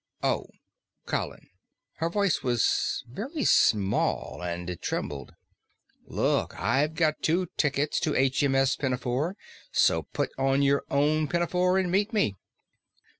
"Oh Colin." Her voice was very small, and it trembled. "Look, I've got two tickets to H. M. S. Pinafore. So put on your own pinafore and meet me."